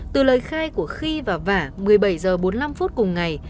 từ lời khai của khi và vả một mươi bảy h bốn mươi năm cùng ngày